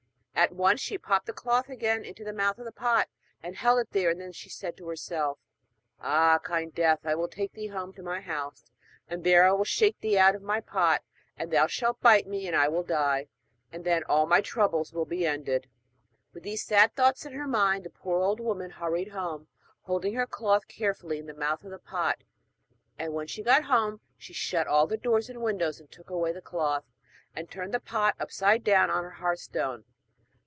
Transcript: At once she popped the cloth again into the mouth of the pot and held it there; and then she said to herself: 'Ah, kind death! I will take thee home to my house, and there I will shake thee out of my pot and thou shalt bite me and I will die, and then all my troubles will be ended.' With these sad thoughts in her mind the poor old woman hurried home, holding her cloth carefully in the mouth of the pot; and when she got home she shut all the doors and windows, and took away the cloth, and turned the pot upside down upon her hearthstone.